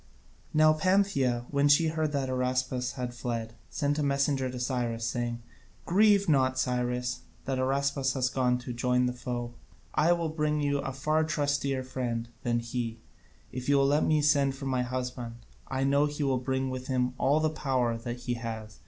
Now Pantheia, when she heard that Araspas had fled, sent a messenger to Cyrus, saying: "Grieve not, Cyrus, that Araspas has gone to join the foe: I will bring you a far trustier friend than he, if you will let me send for my husband, and I know he will bring with him all the power that he has.